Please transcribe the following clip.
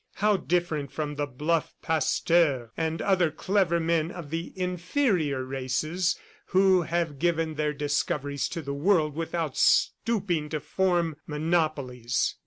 How different from the bluff Pasteur and other clever men of the inferior races who have given their discoveries to the world without stooping to form monopolies!